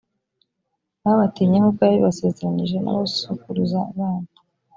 babatinye nk’uko yabibasezeranyije nabasokuruza banyu.